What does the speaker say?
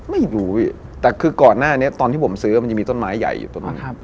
ไม่รู้พี่แต่คือก่อนหน้านี้ตอนที่ผมซื้อมันยังมีต้นไม้ใหญ่อยู่ตรงนั้น